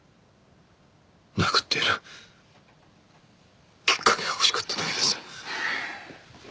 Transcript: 殴ってやるきっかけが欲しかっただけです。